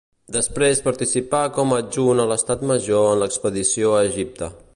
Després participà com a adjunt a l'estat major en l'expedició a Egipte.